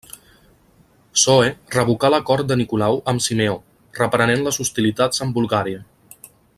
Zoe revocà l'acord de Nicolau amb Simeó, reprenent les hostilitats amb Bulgària.